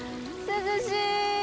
涼しいー！